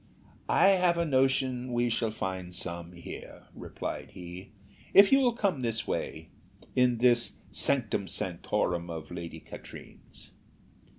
"I have a notion we shall find some here," replied he, "if you will come on this way in this sanctum sanctorum of Lady Katrine's."